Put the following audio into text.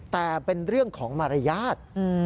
แต่เป็นเรื่องของมารยาท